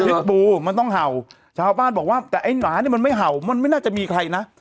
บูมันต้องเห่าชาวบ้านบอกว่าแต่ไอ้หนาเนี่ยมันไม่เห่ามันไม่น่าจะมีใครนะ